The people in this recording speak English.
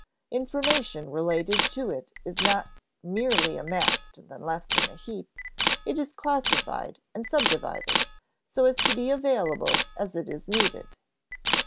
Information related to it is not merely amassed and then left in a heap; it is classified and subdivided so as to be available as it is needed.